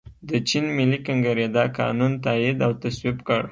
د چین ملي کنګرې دا قانون تائید او تصویب کړ.